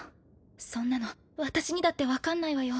そんなの私にだって分かんないわよ。